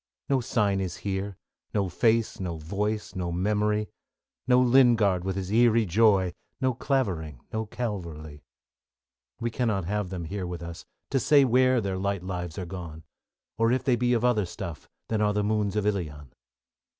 No sign is here, No face, no voice, no memory; No Lingard with his eerie joy. No Clavering, no Calverly. |42J We cannot have them here with us To say where their light lives are gone, Or if they be of other stuff Than are the moons of Ilion.